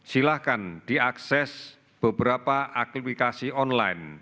silahkan diakses beberapa aplikasi online